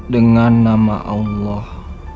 dengan nama allah